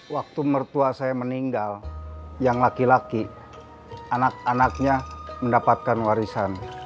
waktu mertua saya meninggal yang laki laki anak anaknya mendapatkan warisan